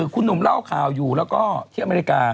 คุณหนุ่มเล่าข่าวอยู่แล้วก็ที่อเมริกา